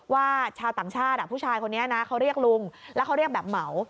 ชาวต่างชาติผู้ชายคนนี้นะเขาเรียกลุงแล้วเขาเรียกแบบเหมา